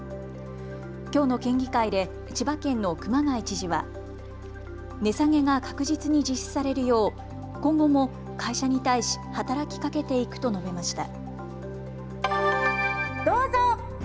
きょうの県議会で千葉県の熊谷知事は値下げが確実に実施されるよう今後も会社に対し働きかけていくと述べました。